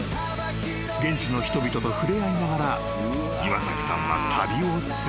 ［現地の人々と触れ合いながら岩崎さんは旅を続けた］